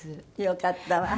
よかったわ